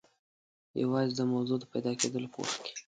یوازې د موضوع د پیدا کېدلو په وخت کې.